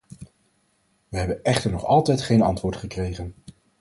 We hebben echter nog altijd geen antwoord gekregen.